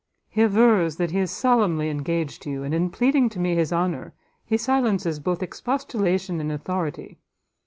He avers that he is solemnly engaged to you, and in pleading to me his honour, he silences both expostulation and authority.